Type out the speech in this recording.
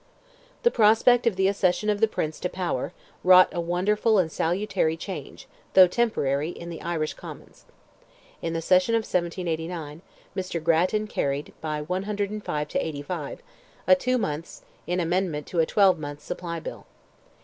The prospect of the accession of the Prince to power, wrought a wonderful and a salutary change, though temporary, in the Irish Commons. In the session of 1789, Mr Grattan carried, by 105 to 85, a two months', in amendment to a twelve months' supply bill.